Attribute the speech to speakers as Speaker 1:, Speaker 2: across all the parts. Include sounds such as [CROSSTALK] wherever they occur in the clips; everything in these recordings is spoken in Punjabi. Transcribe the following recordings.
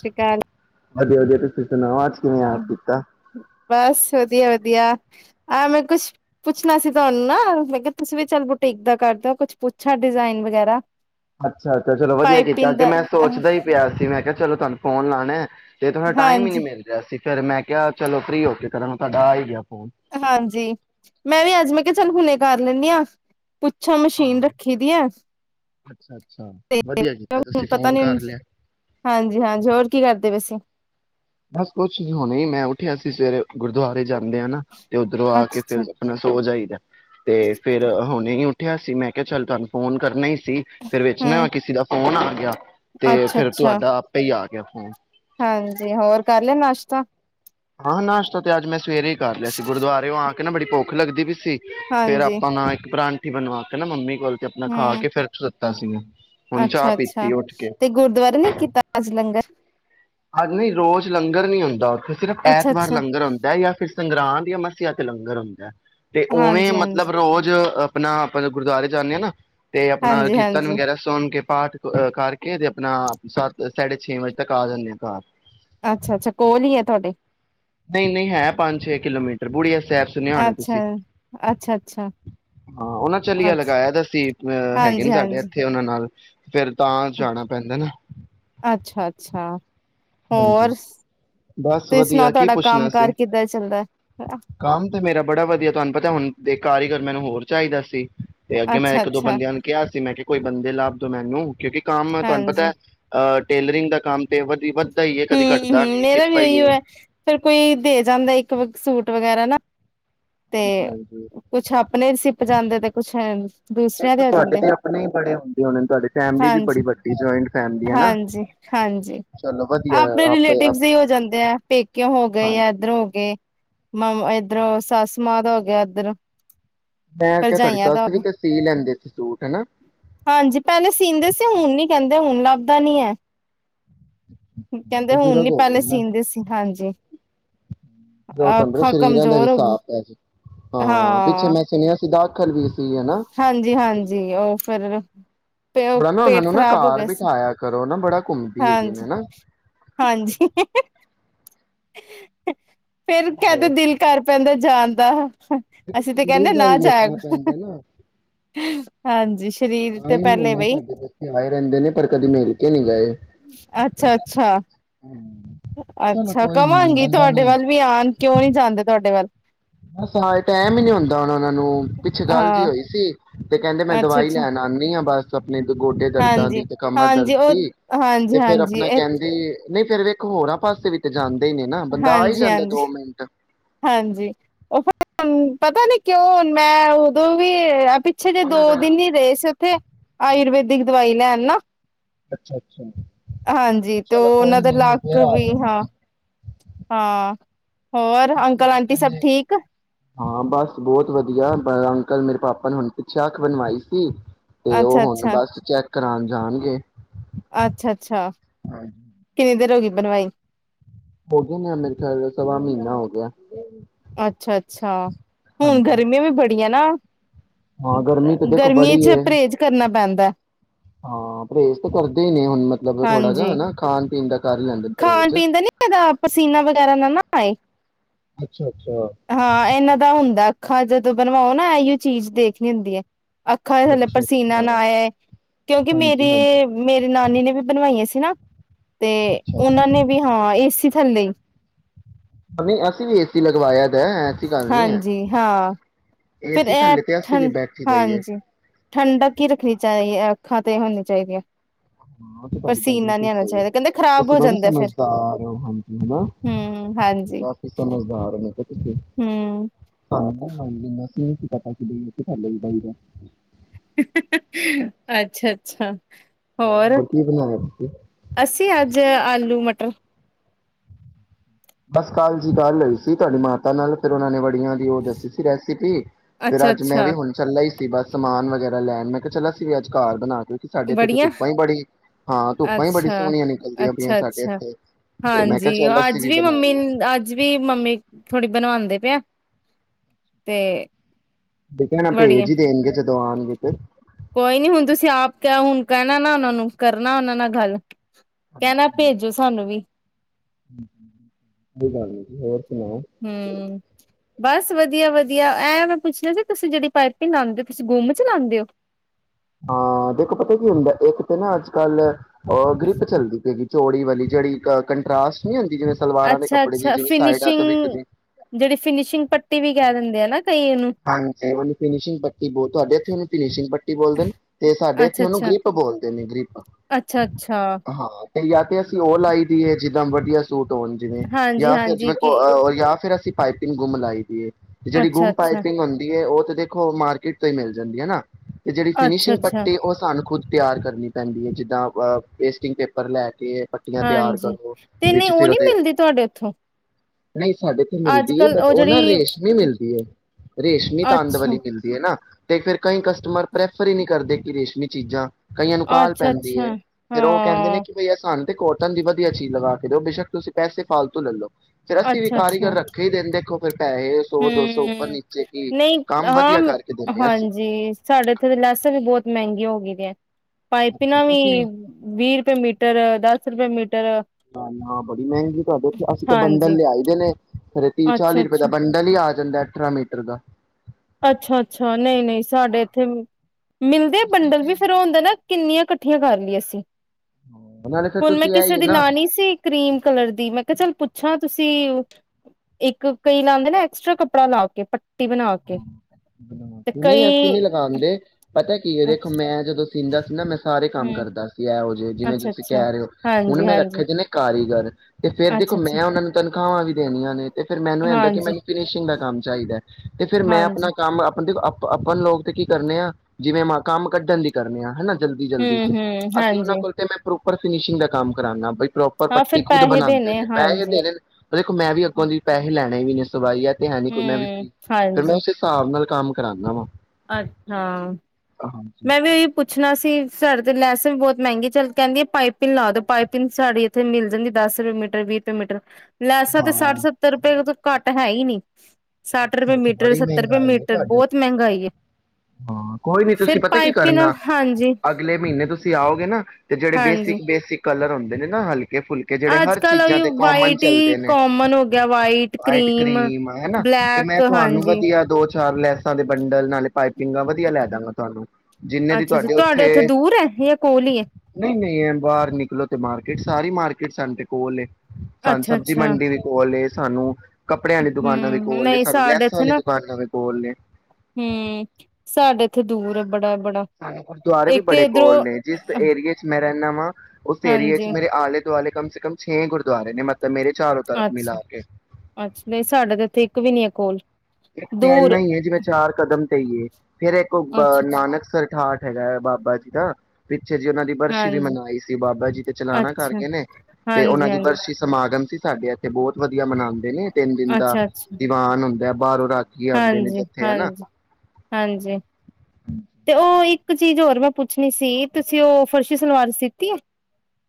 Speaker 1: ਸ਼੍ਰੀ ਅਕਾਲ
Speaker 2: ਹਾਂਜੀ ਹਾਂਜੀ ਫਿਰ ਸਟੇਸ਼ਨ ਆਵਾਂ ਅਜ
Speaker 1: ਬਸ ਵਧੀਆ ਵਧੀਆ ਵਧੀਆ ਆਹ ਮੈਂ ਕੁਛ ਪੁੱਛਣਾ ਸੀ ਤੁਹਾਨੂੰ ਨਾ ਮੈਂ ਕਿਹਾ ਤੁਸੀਂ ਵੀ ਚੱਲ ਬੁਟੀਕ ਦਾ ਕਰਦੇ ਹੋ ਕੁਛ ਪੁੱਛਾਂ ਡਿਜ਼ਾਇਨ ਵਗੈਰਾ
Speaker 2: ਅੱਛਾ ਅੱਛਾ ਚਲੋ ਵਧੀਆ ਕੀਤਾ
Speaker 1: ਪਾਈਪਿੰਗ
Speaker 2: ਅੱਗੇ
Speaker 1: ਦਾ
Speaker 2: ਮੈਂ ਸੋਚਦਾ ਹੀ ਪਿਆ ਸੀ ਮੈਂ ਕਿਹਾ ਚਲੋ ਤੁਹਾਨੂੰ ਫੋਨ ਲਾਣੇ ਤੇ ਤੁਹਾਨੂੰ ਟਾਈਮ ਹੀ ਨੀ
Speaker 1: ਹਾਂਜੀ
Speaker 2: ਮਿਲ ਰਿਹਾ ਸੀ ਚਲੋ ਮੈਂ ਕਿਹਾ ਚਲੋ ਫ੍ਰੀ ਹੋਕੇ ਕਰਨ ਹੁਣ ਤੁਹਾਡਾ ਆ ਹੀ ਗਿਆ ਫੋਨ।
Speaker 1: ਹਾਂਜੀ ਮੈਂ ਵੀ ਅੱਜ ਮੈਂ ਚੱਲ ਹੁਣੇ ਕਰ ਲੈਂਣੀ ਆਾਂ ਪੁੱਛੋ ਮਸ਼ੀਨ
Speaker 2: ਹਾਂ
Speaker 1: ਰੱਖੀ ਦੀ ਆ
Speaker 2: ਅੱਛਾ-ਅੱਛਾ
Speaker 1: ਤੇ
Speaker 2: ਵਧੀਆ ਕੀਤਾ ਤੁਸੀਂ
Speaker 1: ਪਤਾ
Speaker 2: ਫੋਨ
Speaker 1: ਨੀ ਹ
Speaker 2: ਕਰ ਲਿਆ।
Speaker 1: ਹਾਂਜੀ ਹਾਂਜੀ ਹੋਰ ਕੀ ਕਰਦੇ ਵ ਅਸੀਂ
Speaker 2: ਬਸ ਕੁਛ ਹੋਣੀ ਮੈਂ ਉੱਠਿਆ ਸੀ ਸਵੇਰੇ ਗੁਰਦੁਆਰੇ ਜਾਂਦੇ ਆ ਨਾ ਤੇ ਉੱਧਰੋਂ ਆ
Speaker 1: ਅੱਛਾ
Speaker 2: ਕੇ ਫਿਰ
Speaker 1: ਅੱਛਾ
Speaker 2: ਆਪਣਾ ਸੋ ਜਾਈਦਾ ਤੇ ਫੇਰ ਹੁਣੇ ਉੱਠਿਆ ਸੀ ਮੈਂ ਕਿਹਾ ਚੱਲ ਤੁਹਾਨੂੰ ਫੋਨ ਕਰਨਾ ਹੀ ਸੀ ਜੀ ਫਿਰ ਵਿੱਚ ਨਾ
Speaker 1: ਹਮ
Speaker 2: ਕਿਸੇ ਦਾ ਫੋਨ ਗਿਆ ਤੇ
Speaker 1: ਅੱਛਾ
Speaker 2: ਫੇਿਰ
Speaker 1: ਅੱਛਾ
Speaker 2: ਤੁਹਾਡਾ ਆਪੇ ਹੀ ਆ ਨਹੀਂ
Speaker 1: ਹਾਂਜੀ ਹੋਰ ਕਰ ਲੈ ਨਾਸ਼ਤਾ
Speaker 2: ਹਾਂ ਨਾਸ਼ਤਾ ਤੇ ਅੱਜ ਮੈਂ ਸਵੇਰੇ ਹੀ ਕਰ ਲਿਆ ਗੁਰਦੁਆਰੇ ਆ ਦੇਖ ਆ ਕੇ ਨਾ ਬੜੀ ਭੁੱਖ ਲੱਗਦੀ ਵੀ ਸੀ ਫੇਰ
Speaker 1: ਹਾਂਜੀ
Speaker 2: ਆਪਾਂ ਨਾ ਇੱਕ ਪ੍ਰਾਂ ਕੁਛ ਬਲਕੀ ਕੇ ਆਪਣਾ ਖਾ
Speaker 1: ਹਮ
Speaker 2: ਕੇ ਫਿਰ ਸੀਗਾ ਹੁਣ ਚਾਹ
Speaker 1: ਅੱਛਾ
Speaker 2: ਪੀਤੀ
Speaker 1: ਅੱਛਾ
Speaker 2: ਉੱਠ ਕੇ
Speaker 1: ਤੇ ਗੁਰਦੁਆਰੇ ਨੇ ਕੀਤਾ ਸੀ ਲੰਗਰ
Speaker 2: ਹਾਂ ਨਹੀਂ ਰੋਜ਼ ਲੰਗਰ ਨਹੀਂ ਆਉਂਦਾ ਸਿਰਫ
Speaker 1: ਅੱਛਾ
Speaker 2: ਐਤਵਾਰ
Speaker 1: ਅੱਛਾ
Speaker 2: ਲੰਗਰ ਆਉਦਾ ਜਾਂ ਫਿਰ ਸੰਗਰਾਂ ਦੀਆਂ ਮੱਸਿਆ ਤੇ ਲੰਗਰ ਹੁੰਦਾ ਤੇ ਉਵੇਂ
Speaker 1: ਹਾਂਜੀ ਹਾਂਜੀ
Speaker 2: ਮਤਲਬ ਰੋਜ਼ ਆਪਣਾ ਆਪਾਂ ਗੁਰਦੁਆਰੇ ਚ ਜਾਂਦੇ ਹਾਂ ਨਾ ਤੇ ਆਪਣਾ ਕੀਰਤਨ
Speaker 1: ਹਾਂਜੀ-ਹਾਂਜੀ,
Speaker 2: ਵਗੈਰਾ ਸੁਣ ਕੇ ਪਾਠ ਕਰਕੇ ਤੇ ਆਪਣਾ ਸੱਤ ਸਾਢੇ ਛੇ ਵਜੇ ਤੱਕ ਆ ਜਾਂਦੇ ਹਾਂ ਕੱਪ
Speaker 1: ਅੱਛਾ ਅੱਛਾ ਕੋਲ ਹੀ ਹੈ ਤੁਹਾਡੇ
Speaker 2: ਨਹੀਂ ਨਹੀਂ ਹੈ ਪੰਜ ਛੇ ਕਿਲੋਮੀਟਰ ਬੁੜੀ ਸ਼ਾਇਦ
Speaker 1: ਅੱਛਾ।
Speaker 2: ਤੁਸੀਂ
Speaker 1: ਅੱਛਾ-ਅੱਛਾ,
Speaker 2: ਹਾਂ ਉਹਨਾਂ ਚਲੀਆ
Speaker 1: ਅੱਛ
Speaker 2: ਲਗਾਇਆ ਤਾਂਸੀ ਅਹ ਹੈਗੇ ਨੇ ਸਾਡੇ
Speaker 1: ਹਾਂਜੀ-ਹਾਂਜੀ।
Speaker 2: ਇੱਥੇ ਉਹਨਾਂ ਨਾਲ ਫੇਰ ਤਾਂ ਜਾਣਾ ਪੈਂਦਾ ਨਾ
Speaker 1: ਅੱਛਾ-ਅੱਛਾ,
Speaker 2: ਹਾਂਜੀ
Speaker 1: ਹੋਰ
Speaker 2: ਬਸ
Speaker 1: ਸੁਣਾਓ
Speaker 2: ਵਧੀਆ ਕੀ
Speaker 1: ਤੁਹਾਡਾ ਕੰਮ
Speaker 2: ਪੁੱਛਣਾ ਅੇ
Speaker 1: ਕਾਰ ਕਿੱਦਾਂ ਚੱਲਦਾ?
Speaker 2: ਕੰਮ ਤੇ ਮੇਰਾ ਬੜਾ ਵਧੀਆ ਤੁਹਾਨੂੰ ਪਤਾ ਹੁਣ ਦੇਖ ਕਾਰੀਗਰ ਮੈਨੂੰ ਹੋਰ ਚਾਹੀਦਾ ਸੀ ਤੇ ਅੱਗੇ ਮੈਂ ਇੱਕ ਦੋ
Speaker 1: ਅੱਛਾ-ਅੱਛਾ,
Speaker 2: ਬੰਦਿਆਂ ਨੂੰ ਕਿਹਾ ਸੀ ਮੈਂ ਕਿਹਾ ਕੋਈ ਬੰਦੇ ਲੱਭ ਦੋ ਮੈਨੂੰ ਕਿਉਂਕ ਕੰਮ ਤੁਹਾਨੂੰ
Speaker 1: ਹਾਂਜੀ
Speaker 2: ਪਤਾ ਅਹ ਟੇਲਰਿੰਗ ਦਾ ਕੰਮ ਵਧੀ ਵੱਧਦਾ ਹੀ ਹੈ ਕਦੀ ਘੱਟਦਾ
Speaker 1: ਹੂੰ-ਹੂੰ
Speaker 2: ਨੀ
Speaker 1: ਮੇਰਾ ਵੀ ਉਹੀ ਹੈ ਫੇਰ ਕੋਈ ਦੇ ਜਾਂਦਾ ਇੱਕ ਵ ਸੂਟ ਵਗੈਰਾ ਨਾ ਤੇ
Speaker 2: ਹਾਂਜੀ ਹਾਂਜੀ
Speaker 1: ਕੁਛ ਆਪਣੇ ਸਿਪ ਜਾਂਦੇ ਤੇ ਕੁਛ ਦੂਸਰਿਆਂ
Speaker 2: ਦੇਖ
Speaker 1: ਦੇ ਹੋ
Speaker 2: ਤੁਹਾਡੇ
Speaker 1: ਜਾਂਦੇ
Speaker 2: ਤੇ ਆਪਣੇ ਹੀ ਬੜੇ ਹੁੰਦੇ ਹੋਣੇ ਤੁਹਾਡੀ ਫੈਮਿਲੀ ਵੀ ਬੜੀ
Speaker 1: ਹਾਂਜੀ
Speaker 2: ਵੱਡੀ ਜੁਆਇੰਟ ਫੈਮਿਲੀ ਹੈ ਨਾ
Speaker 1: ਹਾਂਜੀ ਹਾਂਜੀ
Speaker 2: ਚਲੋ ਵਧੀਆ
Speaker 1: ਆਪਣੇ
Speaker 2: ਆਪ ਆਪ
Speaker 1: ਰਿਲੇਟਿਵਸ ਹੀ ਹੋ ਜਾਂਦੇ ਆ ਪੇਕਿਓਂ ਹੋ
Speaker 2: ਹਾਂ
Speaker 1: ਗਏ ਜਾਂ ਇੱਧਰ ਹੋ ਗਏ ਮ ਇਧਰੋਂ ਸੱਸ ਮਾਂ ਦਾ ਹੋ ਗਿਆ ਉੱਧਰ
Speaker 2: ਮੈਂ ਕਿਹਾ ਤੁਹਾਡੀ
Speaker 1: ਭਰਜਾਈਆਂ ਦਾ
Speaker 2: ਸੱਸ ਵੀ
Speaker 1: ਹੋਵੇ
Speaker 2: ਤੇ ਸੀ ਲੈਂਦੇ ਸੀ ਸੂਟ ਹਨਾ।
Speaker 1: ਹਾਂਜੀ ਪਹਿਲੇ ਸੀਂਦੇ ਸੀ ਹੁਣ ਨੀ ਕਹਿੰਦੇ ਹੁਣ ਲੱਭਦਾ ਨੀ ਹੈ ਕਹਿੰਦੇ ਹੁਣ
Speaker 2: ਬਜ਼ੁਰਗ
Speaker 1: ਨੀ
Speaker 2: ਹੋ ਗਏ
Speaker 1: ਪਹਿਲੇ
Speaker 2: ਨਾ।
Speaker 1: ਸੀਂਦੇ ਸੀ ਹਾਂਜੀ
Speaker 2: ਜੋ ਤੁਹਾਨੂੰ ਪਤਾ
Speaker 1: ਅੱਖਾਂ
Speaker 2: ਸਰੀਰਾਂ ਦਾ ਵੀ
Speaker 1: ਕਮਜ਼ੋਰ ਹੋ ਗਈ
Speaker 2: ਹਿਸਾਬ ਹੈ ਜੀ। ਪਿੱਛੇ
Speaker 1: ਹਾਂ
Speaker 2: ਮੈਂ ਸੁਣਿਆ ਦਾਖਲ ਵੀ ਸੀ ਹਨਾ।
Speaker 1: ਹਾਂਜੀ ਹਾਂਜੀ ਉਹ ਫਿਰ ਪਿਓ
Speaker 2: ੜਾ ਨਾ ਉਹਨਾ
Speaker 1: ਪੇਟ
Speaker 2: ਨੂੰ ਨਾ
Speaker 1: ਖ਼ਰਾਬ ਹੋ
Speaker 2: ਕਾਰ
Speaker 1: ਗਿਆ ਸੀ
Speaker 2: ਬਿਠਾਇਆ ਕਰੋ ਨਾ ਬੜਾ ਘੁੰਮਦੀ ਹੈਗੇ ਨੇ
Speaker 1: ਹਾਂਜੀ
Speaker 2: ਹਨਾ।
Speaker 1: ਹਾਂਜੀ [UNINTELLIGIBLE] ਫੇਰ ਕਹਿੰਦੇ
Speaker 2: ਹੋਰ
Speaker 1: ਦਿਲ ਕਰ ਪੈਂਦਾ ਜਣ ਵਾਹ
Speaker 2: ਦੇਖੋ
Speaker 1: ਅਸੀਂ ਤੇ
Speaker 2: ਸਰੀਰ
Speaker 1: ਕਹਿੰਦੇ
Speaker 2: ਦਾ ਵੀ
Speaker 1: ਨਾ
Speaker 2: ਵੇਖਣਾ
Speaker 1: ਜਾਗ
Speaker 2: ਪੈਂਦਾ
Speaker 1: ਹਾਂਜੀ ਸਰੀਰ
Speaker 2: ਹਾਂ
Speaker 1: ਤੇ
Speaker 2: ਇਹ
Speaker 1: ਪਹਿਲੇ
Speaker 2: ਮਹੀਨੇ
Speaker 1: ਬਈ
Speaker 2: ਸਾਡੇ ਬੱਚੇ ਆਏ ਰਹਿੰਦੇ ਨੇ ਪਰ ਕਦੇ ਮਿਲ ਕੇ ਨਹੀਂੀ ਗਏ
Speaker 1: ਅੱਛਾ ਅੱਛਾ
Speaker 2: ਹਮ
Speaker 1: ਅੱਛਾ ਕਵਾਂਗੀ ਤੁਹਾਡੇ ਵੱਲ ਵੀ ਆਉਣ ਕਿਉਂ ਨੀ ਜਾਂਦੇ ਤੁਹਾਡੇ ਵੱਲ
Speaker 2: ਬਸ ਹ ਟਾਈਮ ਹੀ ਨੀ ਹੁੰਦਾਨਾ ਨੂੰ ਪਿੱਛੇ ਗੱਲ ਜਿ
Speaker 1: ਹਾਂ
Speaker 2: ਹੋਈ ਸੀ ਤੇ ਕਹਿੰਦੇ ਮੈਂ
Speaker 1: ਅੱਛਾ
Speaker 2: ਦਵਾਈ
Speaker 1: ਅੱਛਾ
Speaker 2: ਲੈਣ ਆਉਂਦੀ ਹਾਂ ਬਸ ਆਪਣੇ ਗੋਡੇ ਦਰਦਾਂ
Speaker 1: ਹਾਂਜੀ,
Speaker 2: ਦੀ ਤੇ ਕਮਰ ਦਰਦ
Speaker 1: ਹਾਂਜੀ ਉਹ
Speaker 2: ਦੀ
Speaker 1: ਹਾਂਜੀ,
Speaker 2: ਤੇ ਫੇਿਰ
Speaker 1: ਹਾਂਜੀ
Speaker 2: ਆਪਣਾ
Speaker 1: ਇਹ
Speaker 2: ਕਹਿੰਦੀ ਨਹੀਂ ਫੇਿਰ ਵੀ ਇੱਕ ਹੋਰਾਂ ਪਾਸੇ ਵਿੱਚ ਜਾਂ
Speaker 1: ਹਾਂਜੀ ਹਾਂਜੀ ਹਾਂਜੀ ਉਹ ਫ ਪਤਾ ਨੀ ਕਿਉਂ ਮੈਂ ਉਦੋਂ ਵੀ ਪਿੱਛੇ ਜੇ
Speaker 2: ਉਹਨਾਂ
Speaker 1: ਦੋ
Speaker 2: ਦਾ
Speaker 1: ਦਿਨ ਹੀ ਰਹੇ ਸੀ ਉੱਥੇ ਆਯੁਰਵੇੈਦਿਕ ਦਵਾਈ ਲੈਣ ਨ
Speaker 2: ਅੱਛਾ -ਅੱਛਾ
Speaker 1: ਹਾਂਜੀ ਤੇ
Speaker 2: ਚਲੋ
Speaker 1: ਉਹਨਾਂ
Speaker 2: ਕੋਈ
Speaker 1: ਦਾ
Speaker 2: ਨੀ
Speaker 1: ਲੱਕ
Speaker 2: ਫੇਰ ਆ
Speaker 1: ਵੀ ਹਾਂ
Speaker 2: ਜਾਂਗੇ
Speaker 1: -ਹਾਂ। ਹੋਰ ਅੰਕਲ ਆਂਟੀ ਸਭ ਠੀਕ
Speaker 2: ਹਾਂ ਬਸ ਬਹੁਤ ਵਧੀਆ ਜੀ [UNINTELLIGIBLE] ਕੱਲ ਮੇਰੇ ਪਾਪਾ ਨੇ ਮੈਨੂੰ ਪੁਛਿਆ ਅੱਖ ਬਣਵਾਈ ਸੀ। ਤੇ ਉਹ
Speaker 1: ਅੱਛਾ,
Speaker 2: ਹੁਣ
Speaker 1: ਅੱਛਾ,
Speaker 2: ਬਸ ਚੈੱਕ ਕਰਾਣ ਜਾਣਗੇ।
Speaker 1: ਅੱਛਾ -ਅੱਛਾ ਕਿੰਨੀ ਦੇਰ ਹੋ ਗਈ। ਬਣਵਾਈ।
Speaker 2: ਹੋ ਗਏ ਨੇ ਮੇਰੇ ਖਰੇ ਸਵਾ ਮਹੀਨਾ ਹੋ ਗਿਆ।
Speaker 1: ਅੱਛਾ -ਅੱਛਾ ਹੁਣ
Speaker 2: ਹਾਂਜੀ
Speaker 1: ਗਰਮੀਆਂ ਵੀ ਬੜੀਆਂ ਨਾ।
Speaker 2: ਹਾਂ ਗਰਮੀ ਤਾਂ ਦੇਖੋ
Speaker 1: ਗਰਮੀਆਂ
Speaker 2: ਬੜੀ ਏ
Speaker 1: ਚ ਪਰਹੇਜ਼ ਕਰਨਾ ਪੈਂਦਾ
Speaker 2: ਹਾਂ ਪਰਹੇਜ਼ ਤਾਂ ਕਰਦੇ ਹੀ ਨੇ ਹੁਣ ਮਤਲਬ ਥੋੜਾ ਜਿ
Speaker 1: ਹਾਂਜੀ
Speaker 2: ਹਨਾ ਖਾਣ ਪੀਣ ਦਾ ਕਰ ਹੀ ਲੈਂਦੇ
Speaker 1: ਖਾਣ
Speaker 2: ਪਰਹੇਜ਼
Speaker 1: ਪੀਣ ਦਾ ਨੀ ਇਹਦਾ ਪਸੀਨਾ ਵਗੈਰਾ ਦਾ ਨਾ ਹਾਏ
Speaker 2: ਅੱਛਾ ਅੱਛਾ
Speaker 1: ਹਾਂ ਇਹਨਾਂ ਦਾ ਹੁੰਦਾ। ਖਾ ਜਦੋਂ ਬਣਵਾਓ ਨਾ ਇਈਓ ਚੀਜ਼ ਦੇਖਣੀ ਹੁੰਦੀ ਹੈ। ਅੱਖਾਂ ਦੇ ਥੱਲੇ
Speaker 2: ਅੱਛਾ
Speaker 1: ਪਸੀਨਾ ਨਾ
Speaker 2: ਅੱਛਾ
Speaker 1: ਆਏ ਕਿਉਂਕਿ
Speaker 2: ਹਾਂਜੀ, ਹਾਂਜੀ।
Speaker 1: ਮੇਰੀ ਮੇਰੀ ਨਾਨੀ ਨੇ ਵੀ ਬਣਵਾਈਆਂ ਸੀ ਨਾ। ਤੇ
Speaker 2: ਅੱਛਾ,
Speaker 1: ਉਹੇ
Speaker 2: ਅੱਛਾ।
Speaker 1: ਵੀ ਹਾਂ ਏਸੀ ਥੱਲੇ
Speaker 2: ਨਹੀਂ ਅਸੀਂ ਵੀ ਏਸੀ ਲਗਵਾਇਆ ਤਾਂ ਐਸੀ ਗੱਲ ਨੀ ਹੈ।
Speaker 1: ਹਾਂਜੀ ਹਾਂ ਫਿਰ
Speaker 2: ਏਸੀ
Speaker 1: ਇਹ
Speaker 2: ਥੱਲੇ ਤੇ
Speaker 1: ਠ
Speaker 2: ਅਸੀਂ ਵੀ ਬੈਠੀ ਦਾ ਹੀ ਹੈ।
Speaker 1: ਹਾਂਜੀ ਠੰਡਕ ਹੀ ਰੱਖਣੀ ਚਾਹੀ ਹੈ ਅੱਖਾਂ ਤੇ ਹੋਣੀ ਚਾਹੀਦੀ ਏ।
Speaker 2: ਹਾਂ, ਤੇ ਤਾਡੀ ਗਲ ਬਿਲਕੁਲ ਸਹੀ ਏ।
Speaker 1: ਕਹਿੰਦੇ ਖ਼ਰਾਬ ਹੋ
Speaker 2: ਤੁਸੀਂ ਬੜੇ
Speaker 1: ਜਾਂਦਾ ਫਿਰ
Speaker 2: ਸਮਝਦਾਰ ਔ, ਹਾਂਜੀ ਹੈਨਾ
Speaker 1: ਹਮ ਹਾਂਜੀ
Speaker 2: ਕਾਫੀ ਸਮਝਦਾਰ ਔ ਮੈ ਕਿਆ ਤੁਸੀਂ।
Speaker 1: ਹਮ
Speaker 2: [UNINTELLIGIBLE] ਨਈ ਸੀ ਪਤਾ ਕਿ ਬਈ ਕੀ ਸਾਡੇ ਵੀ ਬਈ ਦੈ। [UNINTELLIGIBLE]
Speaker 1: [INAUDIBLE] ਅੱਛਾ -ਅੱਛਾ। ਹੋਰ,
Speaker 2: ਕੀ ਬਣਾਇਆ ਤੁਸੀਂ?
Speaker 1: ਅਸੀਂ ਅੱਜ ਆਲੂ ਮਟ [UNINTELLIGIBLE]
Speaker 2: ਬਸ ਕਾਲ ਜੀ ਗੱਲ ਹੋਈ ਸੀ ਤੁਵਾਡੀ ਮਾਤਾ ਨਾਲ ਫੇਰ ਔਨਾਂ ਨੇ ਵੜ ੜੀਆਂ ਦੀ ਔ ਦੱਸੀ ਸੀ ਰੈਸਿਪੀ ਫੇਰ
Speaker 1: ਅੱਛਾ
Speaker 2: ਅੱਜ ਮੈਂ ਵੀ
Speaker 1: ਅੱਛਾ
Speaker 2: ਹੁਣ ਚੱਲਾ ਈ ਸੀ ਬਸ ਸਮਾਨ ਵਗੈਰਾ ਲੈਣ ਮੈਂ ਕਿਆ ਚਲ ਅਸੀ ਵੀ ਅੱਜ ਘਰ ਬਣਾ ਕਿਉਂਕਿ ਸਾਡੇ ਇੱਥੇ ਤੇ
Speaker 1: ਬੜੀਆਂ
Speaker 2: ਧੁੱਪਾਂ ਈ ਬੜੀ ਹਾਂ ਧੁੱਪਾਂ ਈ ਬੜੀ
Speaker 1: ਅੱਛਾ,
Speaker 2: ਸੋਹਣੀਆਂ ਨਿਕਲਦੀਆਂ ਪਈਆਂ ਸਾਡੇ
Speaker 1: ਅੱਛਾ-ਅੱਛਾ।
Speaker 2: ਇੱਥੇ ਤੇ ਮੈਂ ਕਿਆ
Speaker 1: ਹਾਂਜੀ,
Speaker 2: ਚੱਲ ਅਸੀ
Speaker 1: ਅੱਜ
Speaker 2: ਵੀ ਬਣਾ
Speaker 1: ਮੰਮੀ
Speaker 2: ਲਈਏ
Speaker 1: ਅੱਜ ਵੀ ਮੰਮੀ ਥੋੜੀ ਬਣਾ ਦੇ ਪਿਐ ਤੇ
Speaker 2: ਦੇਖ ਲੈਨਾ
Speaker 1: ਵੜੀਏ
Speaker 2: ਭੇਜ ਹੀ ਦੇਣਗੇ ਜਦ ਜਦੋ ਆਣਗੇਂ ਤੇ।
Speaker 1: ਕੋਈ ਨੀ ਹੁਣ ਤੁਸੀਂ ਆਪ ਕੈ ਹੁਣ ਕੈਣਾ ਨਾ ਉਨਾਂ ਨੂੰ ਕਰਨਾ ਔਨਾਂ ਨਾਲ ਗੱਲ। ਕੈਣਾ ਭੇਜੋ ਸਾਨੂੰ ਵੀ।
Speaker 2: ਹਾਂਜੀ, ਕੋਈ ਗੱਲ ਨੀ ਜੀ ਹੋਰ। ਸੁਣਾਓ
Speaker 1: ਹਮ। ਬਸ ਵਧੀਆ ਵਧੀਆ, ਐਂ ਮੈਂ ਪੁੱਛਣਾ ਸੀ ਤੁਸੀਂ ਜੇੜੀ ਪਾਈਪਿੰਨ ਲਾਂਦੇ ਪੇ ਸੀ, ਗੁੰਮ ਚ ਲਾਂਦੇ ਔ?
Speaker 2: ਹਾਂ, ਦੇਖੋ ਪਤੈ ਕੀ ਹੁੰਦੈ ਇੱਕ ਤੇ ਨਾ ਅੱਜ-ਕੱਲ ਅ ਗਰੀਪ ਚੱਲਦੀ ਪੇਗੀ। ਚੋੜੀ ਵਾਲੀ ਜੇੜੀ ਕ ਕੰਟਰਾਸਟ ਨੀ ਹੁੰ
Speaker 1: ਅੱਛਾ ਅੱਛਾ, ਫਿਨਸ਼ਿੰਗ
Speaker 2: ਵਿਕਦੀ
Speaker 1: ਜੇੜੀ ਫਿਨਸ਼ਿੰਗ ਪੱਟੀ ਵੀ ਕੈ ਦਿੰਦੇ ਐ ਨਾ ਕਈ ਉਹਨੂੰ
Speaker 2: ਹਾਂਜੀ, ਓਨੂੰ ਫਿਨੀਸ਼ਿੰਗ ਪੱਟੀ ਬੋ ਤੁਹਾਡੇ ਐਥੇ ਓਨੂੰ ਫਿਨਸ਼ਿੰਗ ਪੱਟੀ ਬੋਲਦੇ ਨੇ, ਤੇ ਸਾਡੇ ਐਥੇ ਓਨੂੰ
Speaker 1: ਅੱਛਾ-ਅੱਛਾ,
Speaker 2: ਗ੍ਰਿਪ ਬੋਲਦੇ ਨੇ ਗ੍ਰਿਪ,
Speaker 1: ਅੱਛਾ-ਅੱਛਾ।
Speaker 2: ਹਾਂ। ਤੇ ਯਾ ਤੇ ਅਸੀਂ ਔ ਲਾਈ ਦੀ ਏ ਜਿੱਦਾਂ ਵਧੀਆ ਸੂਟ ਹੋਣ ਜਿਵੇਂ ਯਾ ਫੇਰ
Speaker 1: ਹਾਂਜੀ-ਹਾਂਜੀ
Speaker 2: ਜਿਵੇਂ ਕ
Speaker 1: ਕੀ
Speaker 2: ਅ ਅ ਯਾ ਫੇਰ ਅਸੀਂ ਪਾਈਪਿੰਨ ਗੁੰਮ ਲਾਈ ਦੀ ਏ।
Speaker 1: ਅੱਛਾ ਅੱਛਾ।
Speaker 2: ਦੀਐ ਔ ਤੇ ਦੇਖੋ ਮਾਰਕੀਟ ਤੋਂ ਈ ਮਿਲ ਜਾਂਦੀ ਐ, ਹੈਨਾ। ਤੇ ਜਿਹੜੀ ਫਿਨਿਸ਼ਿੰਗ
Speaker 1: ਅੱਛਾ-ਅੱਛਾ।
Speaker 2: ਪੱਟੀ ਔ ਸਾਨੁ ਖੁਦ ਤਿਆਰ ਕਰਨੀ ਪੈਂਦੀ ਏ, ਜਿੱਦਾਂ ਅ ਪੇਸਟਿੰਗ ਪੇਪਰ ਲੈ ਕੇ। ਪੱਟੀਆਂ ਤਿਆਰ
Speaker 1: ਹਾਂਜੀ,
Speaker 2: ਕਰੋ
Speaker 1: ਤੇ ਨਹੀਂ
Speaker 2: ਵਿੱਚ
Speaker 1: ਔ
Speaker 2: ਫਿਰ
Speaker 1: ਨ੍ਹੀਂ
Speaker 2: ਉਹਦੇ
Speaker 1: ਮਿਲਦੀ ਤੁਹਾਡੇ ਔਥੋਂ?
Speaker 2: ਨਹੀਂ ਸਾਡੇ ਥੇ ਮਿਲਦੀ ਏ। ਬਟ, ਔ ਨਾ ਰੇਸ਼ਮੀ ਮਿਲਦੀ ਏ। ਰੇਸ਼ਮੀ ਤਾਂਦ
Speaker 1: ਅੱਛਾ
Speaker 2: ਵਾਲੀ ਮਿਲਦੀ ਏ ਨਾ। ਤੇ ਫਿਰ ਕਈ ਕਸਟਮਰ ਪ੍ਰੈਫਰ ਹੀ ਨਹੀਂ ਕਰਦੇ, ਕਿ ਰੇਸ਼ਮੀ ਚੀਜ਼ਾਂ। ਕਈਆਂ ਨੂੰ ਘਾਲ
Speaker 1: ਅੱਛਾ
Speaker 2: ਪੈਂਦੀ ਹੈ,
Speaker 1: ਅੱਛਾ
Speaker 2: ਫਿਰ ਉਹ ਕਹਿੰਦੇ ਨੇ
Speaker 1: ਹਾਂ
Speaker 2: ਕਿ ਬਈ ਆਸਨ ਤੇ ਕੋਟਨ ਦੀ ਵਧੀਆ ਚੀਜ਼ ਲਗਾ ਕੇ ਦਿਓ, ਬੇਸ਼ੱਕ ਤੁਸੀਂ ਪੈਸੇ ਫਾਲਤੂ ਲੈ ਲੋ। ਫਿਰ ਅਸੀਂ ਵੀ
Speaker 1: ਅੱਛਾ
Speaker 2: ਕਾਰੀਗਰ
Speaker 1: ਅੱਛਾ
Speaker 2: ਰੱਖੇ ਹੀ ਦਿੰ ਦੇਖੋ ਫਿਰ ਪੈਸੇ ਸੋ ਦੋ ਸੌ ਉੱਪਰ
Speaker 1: ਹਮ
Speaker 2: ਨੀਚੇ- ਕੀ
Speaker 1: ਨਹੀਂ
Speaker 2: ਕੰਮ ਵਧੀਆ
Speaker 1: ਹਾਂ
Speaker 2: ਕਰਕੇ ਦਿੰਦੇ ਹਾਂ ਅਸੀਂ
Speaker 1: ਹਾਂਜੀ ਸਾਡੇ ਇੱਥੇ ਲੈਸ ਵੀ ਬਹੁਤ ਮਹਿੰਗੀ- ਹੋਦੇ ਹੋ ਗਈ ਤੇ ਹੋਗੀ [INAUDIBLE]
Speaker 2: ਅੱਛਾ
Speaker 1: ਪਾਈਪਿੰਨਾਂ ਵੀ
Speaker 2: ਤੁਸੀਂ
Speaker 1: ਵੀਹ ਰੁਪਏ ਮੀਟਰ ਦਸ ਰੁਪਏ ਮੀਟਰ,
Speaker 2: ਨਾ ਨਾ ਬੜੀ ਮਹਿੰਗੀ
Speaker 1: ਹਾਂਜੀ।
Speaker 2: ਅਰੇ ਤੀ ਚਾਲੀ
Speaker 1: ਅੱਛਾ
Speaker 2: ਰੁਪਏ ਦਾ
Speaker 1: ਅੱਛਾ
Speaker 2: ਬੰਡਲ ਹੀ ਆ ਜਾਂਦਾ ਅਠਾਰਾਂ ਮੀਟਰ ਦਾ [INAUDIBLE]
Speaker 1: ਅੱਛਾ-ਅੱਛਾ ਨਹੀਂ-ਨਹੀਂ ਸਾਡੇ ਇੱਥੇ ਮਿਲਦੇ ਆ ਬੰਡਲ ਵੀ ਫਿਰ ਹੁੰਦੇ ਨਾ- ਕਿੰਨੀਆਂ ਇਕੱਠੀਆਂ ਕਰ ਲਈ ਅਸੀਂ
Speaker 2: ਨਾਲੇ ਫਿਰ
Speaker 1: ਹੁਣ ਮੈਂ
Speaker 2: ਤੁਸੀਂ ਇਹ
Speaker 1: ਕਿਸੇ
Speaker 2: ਹੀ
Speaker 1: ਦੀ
Speaker 2: ਨਾ
Speaker 1: ਲਾਣੀ ਸੀ ਕਰੀਮ ਕਲਰ ਦੀ, ਮੈਂ ਕਿਹਾ ਚੱਲ ਪੁੱਛਾਂ ਤੁਸੀਂ, ਇੱਕ ਕਈ ਲਾਉਂਦੇ ਨਾ ਐਕਸਟਰਾ ਕੱਪੜਾ ਲਾ ਕੇ ਪੱਟੀ ਬਣਾ- ਕੇ ਤੇ
Speaker 2: ਨਹੀਂ ਅਸੀਂ
Speaker 1: ਕਈ
Speaker 2: ਨਹੀਂ ਲਗਾਉਦੇ ਪਤਾ ਕੀ ਹੈ ਦੇਖੋ ਮੈਂ ਜਦੋਂ ਸਿੱਖ ਦਾ ਸੀ ਨਾ ਮੈਂ ਸਾਰੇ ਕੰਮ
Speaker 1: ਹੂੰ
Speaker 2: ਕਰਦਾ ਸੀ। ਏ ਜਿਵੇਂ ਤੁਸੀਂ
Speaker 1: ਅੱਛਾ-ਅੱਛਾ
Speaker 2: ਕਹਿ ਰਹੇ ਹੋ ਹੁਣ ਮੈਂ
Speaker 1: ਹਾਂਜੀ-ਹਾਂਜੀ
Speaker 2: ਰੱਖੇ ਦੇ ਨੇ ਕਾ ਕਾਰੀਗਰ ਤੇ ਫੇਰ ਦੇਖੋ
Speaker 1: ਅੱਛਾ-ਅੱਛਾ
Speaker 2: ਮੈਂ ਉਹਨਾਂ ਨੂੰ ਤਨਖਾਵਾਂ ਵੀ ਦੇਣੀਆਂ ਨੇ ਤੇ ਫਿਰ ਮੈਨੂੰ ਇਹ ਹੂੰਦਾ ਹੈ ਕਿ
Speaker 1: ਹਾਂਜੀ-ਹਾਂਜੀ
Speaker 2: ਮੈਨੂੰ ਫਿਨਿਸਿ਼ਗ ਦਾ ਕੰਮ ਚਾਹੀਦਾ। ਤੇ ਫੇਿਰ ਮੈਂ ਅਪਣਾ ਕੰਮ ਹ ਦੇਖੋ ਆਪ ਆਪਾਂ ਲੋਕ ਤੇ ਕੀ ਕਰਨੇ ਆ ਜਿਵੇਂ ਮ ਕੰਮ ਕੱਢਣ ਦੀ ਕਰਨੇ ਆ ਹੈਨਾ। ਜਲਦੀ ਜਲਦੀ ਚ
Speaker 1: ਹੂੰ-ਹੂੰ ਹਾਂਜੀ ਹਾਂਜੀ ਹੂੰ ਹੂੰ
Speaker 2: ਅਸੀ ਉਹਨਾ
Speaker 1: ਹਾਂਜੀ
Speaker 2: ਕੋਲ ਤੇ ਮੈਂ ਪ੍ਰੋ ਫਿਨਸ਼ਿੰਗ ਦਾ ਕੰਮ ਕਰਾਉਣਾ ਬਈ ਪ੍ਰੋਪਰ
Speaker 1: ਹਾਂ
Speaker 2: ਪੱਟੀ
Speaker 1: ਫਿਰ
Speaker 2: ਖੁਦ
Speaker 1: ਪੈਹੇ
Speaker 2: ਬਣਾਉਂਦੇ
Speaker 1: ਦੇਣੇ
Speaker 2: ਨੇ ਪੈਸੇ
Speaker 1: ਹਾਂਜੀ
Speaker 2: ਦੇਣੇ ਦੇਖੋ ਮੈਂ ਵੀ ਅੱਗੋਂ ਦੀ ਪੈਸੇ ਲੈਣੇ ਹੈਵੀਨੇਸ ਦਵਾਈ ਆ ਤੇ ਹੈ ਨਹੀਂ ਕੋਈ ਮੈਂ ਵੀ
Speaker 1: ਹੂੰ
Speaker 2: ਤੇ ਮੈਂ ਉਸ ਹਿਸਾਬ ਨਾਲ ਕੰਮ ਕਰਾਉਣਾ ਵਾ।
Speaker 1: ਅੱਛਾ,
Speaker 2: ਹਾਂਜੀ
Speaker 1: ਮੈਂ ਵੀ ਉਹੀ ਪੁੱਛ ਪੁੱਛਣਾ ਸੀ ਸਾਡੇ ਇਥੇ ਲੈਸਾ ਵੀ ਬੜੀਆਂ ਮੰਗਿਆ ਚੱਲ ਕਹਿੰਦੀ ਐ ਪਾਈਪਿੰਗ ਲਾ ਦੋ, ਪਾਈਪਿੰਗ ਸਾਡੇ ਏਥੇ ਮਿਲ ਜਾਂਦੀ ਏ, ਦਸ ਰੁਪਏ ਮੀਟਰ ਵੀਂ ਰੁਪਏ ਮੀਟਰ ਲੈਸਾਂ ਤਾਂ ਸਤ
Speaker 2: ਹਾਂ
Speaker 1: ਸਤਰ ਰੁਪਏ ਘੱਟ ਹੈ ਹੀ ਨੀ ਸੱਠ
Speaker 2: ਅੱਛਾ
Speaker 1: ਰੁਪਏ
Speaker 2: ਅੱਛਾ
Speaker 1: ਮੀਟਰ
Speaker 2: ਬੜੀ
Speaker 1: ਸੱਤਰ ਰੁਪਏ
Speaker 2: ਮਹਿੰਗਾਈ ਹੈ
Speaker 1: ਮੀਟਰ
Speaker 2: ਤੁਹਾਡੇ
Speaker 1: ਬਹੁਤ
Speaker 2: ਉੱਥੇ
Speaker 1: ਮਹਿੰਗਾਈ ਏ।
Speaker 2: ਹਾਂ ਕੋਈ ਨੀ ਤੁਸੀਂ ਪਤਾ ਕੀ ਕਰਨਾ,
Speaker 1: ਹਾਂਜੀ
Speaker 2: ਅਗਲੇ ਮਹੀਨੇ ਤੁਸੀਂ ਆਓਗੇ ਨਾ ਤੇ ਜਿਹੜੇ
Speaker 1: ਹਾਂਜੀ
Speaker 2: ਬੇਸਿਕ-ਬੇਸਿਕ ਕਲਰ ਹੁੰਦੇ ਨੇ ਨਾ ਹਲਕੇ ਫੁਲਕੇ ਜਿਹੜੇ
Speaker 1: ਅੱਜ
Speaker 2: ਹਰ
Speaker 1: ਕੱਲ
Speaker 2: ਚੀਜ਼ਾਂ
Speaker 1: ਉਹੀਓ
Speaker 2: ਤੇ ਕੋਮਨ
Speaker 1: ਵਾਈਟ ਹੀ
Speaker 2: ਚੱਲਦੇ ਨੇ
Speaker 1: ਕੋਮਨ ਹੋ ਗਿਆ ਵਾਈਟ ਕਰੀਮ ਬਲੈਕ
Speaker 2: ਤੇ ਮੈਂ ਤੁਹਾਨੂੰ
Speaker 1: ਹਾਂਜੀ
Speaker 2: ਵਧੀਆ ਦੋਚ ਚਾਰ ਲੈਸਾਂ ਦੇ ਬਣਡਲ ਨਾਲੇ ਪਾਈਪਿੰਗਾ ਵਧੀਆ ਲੈ ਦਾਂਗਾ ਤੁਹਾਨੂੰ, ਜਿੰਨੇ ਦੀ
Speaker 1: ਅੱਛਾ ਅੱਛਾ
Speaker 2: ਤੁਹਾਡੇ ਉੱਥੇ,
Speaker 1: ਦੂਰ ਹੈ ਜਾਂ ਕੋਲ ਹੀ ਹੈ
Speaker 2: ਨਹੀਂ-ਨਹੀਂ ਜਿਵੇਂ ਬਾਹਰ ਨਿਕਲੋ ਤੇ ਮਾਰਕੀਟ ਸਾਰੀ ਮਾਰਕੀਟ ਸਾਡੇ ਕੋਲ ਹੈ। ਸਨ
Speaker 1: ਅੱਛਾ
Speaker 2: ਸਬਜ਼ੀ
Speaker 1: ਅੱਛਾ
Speaker 2: ਮੰਡੀ ਵੀ ਕੋਲ ਹੈ। ਸਾਨੂੰ- ਕੱਪੜਿਆਂ ਨੇ ਦੁਕਾਨਾਂ ਵੇ
Speaker 1: ਹਮ
Speaker 2: ਬੋਲੇ
Speaker 1: ਨਹੀਂ
Speaker 2: ਸਾਨੂੰ, ਲੈਸਾ ਵਾਲੀ ਦੁਕਾਨ ਨਵੇ ਪੁਲ ਬੋਲ ਨੇ
Speaker 1: ਹੂ, ਸਾਡੇ ਇੱਥੇ ਦੂਰ ਐ ਬੜਾ ਬੜਾ
Speaker 2: ਸਾਨੂੰ ਗੁਰਦੁਆਰੇ ਵੀ
Speaker 1: ਇੱਕ ਤੇ
Speaker 2: ਬੜੇ ਕੋਲ
Speaker 1: ਇੱਧਰੋਂ
Speaker 2: ਨੇ, ਜਿਸ ਏਰੀਏ ਚ ਮੈਂ ਰਹਿ ਨਵਾਂ ਉਸ ਏਰੀਏ ਚ
Speaker 1: ਹਾਂਜੀ
Speaker 2: ਮੇਰੇ ਆਲੇ ਦਵਾਲੇ ਕਮ ਸੇ ਕਮ, ਛੇ ਗੁਰਦੁਆਰੇ ਨੇ ਮਤ
Speaker 1: ਅੱਛਾ ਅੱਛਾ, ਸਾਡੇ ਤੇ ਇੱਥੇ ਇੱਕ ਵੀ ਨੀ ਹੈ ਕੋਲ
Speaker 2: ਇੱਕ ਤਾਂ
Speaker 1: ਦੂਰ
Speaker 2: ਇਨਾ ਹੀ ਹੈ, ਜਿਵੇਂ ਚਾਰ ਕਦਮ ਸਹੀ ਹੈ। ਫਿਰ ਇੱਕ
Speaker 1: ਅੱਛਾ ਅੱਛਾ
Speaker 2: ਨਾਨਕ ਸਰ ਠਾਠ ਹੈਗਾ ਹੈ, ਬਾਬਾ ਜੀ ਦਾ ਪਿੱਛੇ ਜੀ ਉਹਨਾਂ ਦੀ ਬਰਸੀ ਵੀ
Speaker 1: ਹਾਂਜੀ
Speaker 2: ਮਨਾਈ ਸੀ, ਬਾਬਾ ਜੀ ਤੇ ਚਲਾਣਾ ਕਰ
Speaker 1: ਅੱਛਾ
Speaker 2: ਗਏ ਨੇ, ਤੇ
Speaker 1: ਹਾਂਜੀ
Speaker 2: ਉਹਨਾਂ ਦੀ
Speaker 1: ਹਾਂਜੀ
Speaker 2: ਬਰਸੀ ਸਮਾਗਮ ਸੀ। ਸਾਡੇ ਇੱਥੇ ਬਹੁਤ ਵਧੀਆ ਮਨਾਉਂਦੇ ਨੇ ਤਿੰਨ ਦਿਨ ਦਾ
Speaker 1: ਅੱਛਾ ਅੱਛਾ
Speaker 2: ਦੀਵਾਨ ਹੁੰਦਾ ਬਾਰ ਔ ਰੱਖ
Speaker 1: ਹਾਂਜੀ ਹਾਂਜੀ ਹਾਂਜੀ, ਤੇ ਔ ਇੱਕ ਇੱਕ ਚੀਜ਼ ਹੋਰ ਮੈਂ ਪੁੱਛਣੀ ਸੀ, ਤੁਸੀਂ ਉਹ ਫਰਸ਼ੀ ਸਲਵਾਰ ਸੀਤੀ ਐ।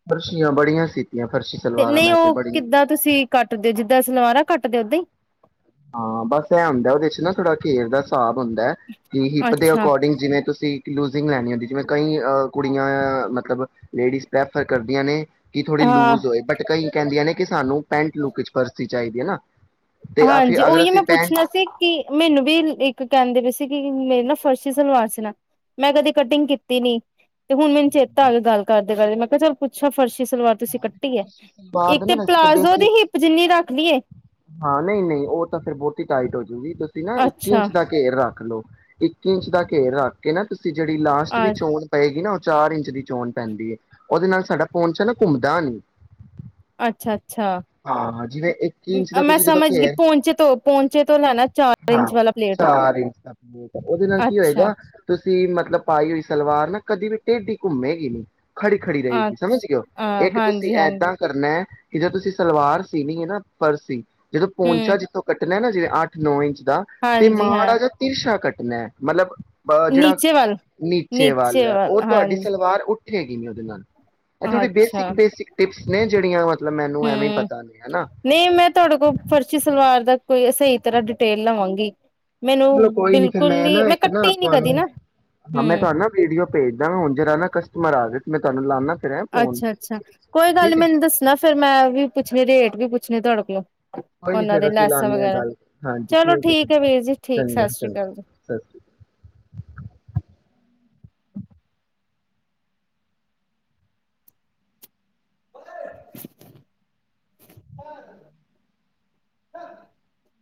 Speaker 2: ਫਰਸ਼ੀਆਂ ਬੜੀਆਂ ਸੀ
Speaker 1: ਤੇ ਨਹੀਂ ਉਹ ਕਿੱਦਾਂ ਤੁਸੀਂ ਕੱਟਦੇ ਜਿੱਦਾਂ ਸਲਵਾਰਾ ਕੱਟ ਐ ਤੇ ਔਦਾਂ ਹੀ
Speaker 2: ਹਾਂ ਬਸ ਇਹ ਹੁਨਦਾ ਉਹਦੇ ਚ ਨਾ ਥੋੜਾ ਘੇਰ ਦਾ ਹਿਸਾਬ ਹੁੰਦਾ ਕਿ ਹਿਪ ਦੇ
Speaker 1: ਅੱਛਾ
Speaker 2: ਅਕੋਰਡਿੰਗ ਜਿਵੇਂ ਤੁਸੀਂ ਲੂਜਿੰਗ ਲੈਣੀ ਹੁੰਦੀ ਜਿਵੇਂ ਕਈ ਕੁੜੀਆਂ ਮਤਲਬ ਲੇਡੀਜ਼ ਪ੍ਰੈਫਰ ਕਰਦੀਆਂ ਨੇ ਕਿ ਥੋੜੀ
Speaker 1: ਹਾਂ
Speaker 2: ਲੂਜ ਹੋਏ ਬਟ ਕਈ ਕਹਿੰਦੀ ਨੇ ਕਿ ਸਾਨੂੰ ਪੈਂਟ ਲੁਕ ਪਰਸੀ ਚਾਹੀਦੀ ਹੈ ਨਾ ਤੇ ਆ
Speaker 1: ਹਾਂਜੀ ਜੇ
Speaker 2: ਫਿਰ ਅਗਰ
Speaker 1: ਉਹੀ ਮੈਂ
Speaker 2: ਅਸੀਂ ਪੈਂਟ
Speaker 1: ਪੁੱਛਣਾ ਸੀ ਕਿ ਮੈਨੂੰ ਵੀ ਇੱਕ ਕਹਿੰਦੇ ਵੀ ਸੀ ਕਿ ਮੇਰੇ ਨਾ ਫਰਸ਼ੀ ਸਲਵਾਰ ਸੀ ਨਾ ਮੈਂ ਕਦੇ ਕਟਿੰਗ ਕੀਤੀ ਨੀ ਤੇ ਹੁਣ ਮੈਨੂੰ ਚੇਤਾ ਗੱਲ ਕਰ ਾਰੇ ਮੈਂ ਕਿਹਾ ਚੱਲ ਪੁੱਛੋ ਫਰਸ਼ੀ ਸਲਵਾਰ ਤੁਸੀਂ ਕੱਟੀ ਹੈ
Speaker 2: ਸਲਵਾਰ
Speaker 1: ਇੱਕ
Speaker 2: ਦੇ
Speaker 1: ਤੇ
Speaker 2: ਨਾ ਵੈਸੇ ਤਾਂ
Speaker 1: ਪਲਾਜ਼ੋ ਦੀ
Speaker 2: ਬੇਸਿਕ
Speaker 1: ਹਿੱਪ ਜਿੰਨੀ ਰੱਖਦੀਏ
Speaker 2: ਹਾਂ ਨਹੀਂ ਨਹੀਂ ਉਹ ਤਾਂ ਫੇਿਰ ਬਹੁਤ ਹੀ ਟਾਈਟ ਹੋ ਜਾ ਵੀ ਤੁਸੀਂ ਨਾ ਇੱਕ
Speaker 1: ਅੱਛਾ
Speaker 2: ਇੰਚ ਦਾ ਘੇਰ ਰੱਖ ਰੱਖ ਲਓ ਇੱਕ ਇੰਚ ਦਾ ਘੇਰ ਰੱਖ ਕੇ ਨਾ ਤੁਸੀਂ ਜਿਹੜੀ ਲਾਸਟ ਵੀ
Speaker 1: ਅੱ
Speaker 2: ਚੋਣ ਪਏਗੀ ਨਾ ਚਾਰ ਇੰਚ ਦੀ ਚੋਣ ਪੈਂਦੀ ਹੈ ਉਹਦੇ ਨਾਲ ਸਾਡਾ ਪਹੁੰਚ ਹੈ ਨਾ ਘੁੰਮਦਾ ਨਹੀਂ
Speaker 1: ਅੱਛਾ ਅੱਛਾ
Speaker 2: ਜਿਵੇਂ ਇੱਕ ਹੀ ਇੰਚ ਦਾ
Speaker 1: ਮੈਂ
Speaker 2: ਤੁਸੀਂ ਜਦੋਂ
Speaker 1: ਸਮਝ ਗਈ
Speaker 2: ਘੇਰ
Speaker 1: ਪਹੁੰਚੇ ਤੋਂ ਪਹੁੰਚੇ ਤੋਂ ਲੈਣਾ ਚਾਰ
Speaker 2: ਹਾਂ
Speaker 1: ਇੰਚ ਵਾਲਾ ਪਲੇਟ
Speaker 2: ਚਾਰ ਇੰਚ ਦਾ ਪਲੇਟ, ਉਹਦੇ ਨਾਲ ਕੀ
Speaker 1: ਅੱਛਾ
Speaker 2: ਹੋਏਗਾ ਮਤਲਬ ਪਾਈ ਹੋਈ ਸਲਵਾਰ ਨਾ ਕਦੀ ਵੀ ਟਢੇਡੀ ਘੁੰਮੇਗੀ ਨ ਖੜੀ ਖੜੀ
Speaker 1: ਅ
Speaker 2: ਰਹੇਗੀ ਸਮਝ ਗ ਹੋ
Speaker 1: ਅ
Speaker 2: ਇੱਕ ਤੁਸੀਂ
Speaker 1: ਹਾਂਜੀ ਹਾਂਜੀ
Speaker 2: ਏਦਾਂ ਕਰਨਾ ਕਿ ਜੇ ਤੁਸੀਂ ਸਲਵਾਰ ਸੀਣੀ ਹੈ ਨਾ ਪਰਸੀ ਸੀ ਜਦੋਂ ਪਹੁੰਚਿਆ
Speaker 1: ਹੂੰ
Speaker 2: ਜਿੱਥੋਂ ਕੱਟਣਾ ਨਾ ਜਿ ਅੱਠ ਨੌ ਇੰਚ ਤੇ
Speaker 1: ਹਾਂਜੀ ਹਾਂ
Speaker 2: ਮਾੜਾ ਜ ਤੀਰਸ਼ਾ ਕੱਟ ਨ ਮਤਲਬ ਅ ਜਿਹੜਾ
Speaker 1: ਨੀਚੇ ਵੱਲ
Speaker 2: ਨੀਚੇ ਵੱਲ ਉਹ ਤੁਹਾਡੀ ਸਲਵਾਰ ਉਠ ਹੈੇਗੀ ਨੇ ਅਦੇ ਨਾਲ ਜੁੜੀ ਬੇਸਿਕ ਬੇਸਿਕ ਟਟੀਪ ਨੇ ਜਿਹੜੀਆਂ ਵ
Speaker 1: ਹਮ ਨਹੀਂ ਮੈਂ ਤੁਹਾਡੇ ਕੋਲ ਪਰਚੀ ਸਲਵਾਰ ਦਾ ਕੋਈ ਸਹੀ ਤਰ੍ਹਾਂ ਡਿਟੇਲ ਲਵਾਂਗੀ। ਮੈਨੂੰ
Speaker 2: ਚਲੋ ਕੋਈ ਨੀ ਫ
Speaker 1: ਬਿਲਕੁਲ
Speaker 2: ਮੈਂ
Speaker 1: ਹੀ
Speaker 2: ਨਾ ਇੱਕ ਨਾ
Speaker 1: ਕੱਟੀ
Speaker 2: ਆਪ
Speaker 1: ਨੀ ਕਦੀ
Speaker 2: ਨੂੰ
Speaker 1: ਨਾ
Speaker 2: ਹ ਮੈਂ
Speaker 1: ਹੂੰ
Speaker 2: ਤੁਹਾਨੂੰ ਨਾ ਵੀਡੀਓ ਭੇਜਦਾ ਹੁਣ ਜਿਹ ਨਾਕਸਟਮਰ ਮਾ ਤੇ ਮੈਂ ਤੁਹਾਨੂੰ ਲਾਉਦਾ।
Speaker 1: ਅੱਛਾ, ਅੱਛਾ ਕੋਈ ਗੱਲ ਨੀ ਮੈਨੂੰ ਦੱਸਣਾ ਫੇਰ ਮੈਂ ਵੀ ਪੁੱਛਣੀ ਰੇਟ ਵੀ ਪੁੱਛ ਨੇ ਧੜਕ ਲਓ।
Speaker 2: ਕੋਈ ਨੀ ਫੇਰ ਅਸੀਂ ਲਾਉਂਦੇ ਹਾਂ ਗੱਲ ਹਾਂਜੀ
Speaker 1: ਚਲੋ
Speaker 2: ਠੀਕ ਹੈ
Speaker 1: ਵੀਰ ਜੀ ਠੀਕ
Speaker 2: ਚੰਗਾ
Speaker 1: ਸਤਿ ਸ੍ਰੀ
Speaker 2: ਚੰ।
Speaker 1: ਅਕਾਲ
Speaker 2: ਸਤਿ ਸ੍ਰੀ ਅਕਾਲ।
Speaker 1: [INAUDIBLE]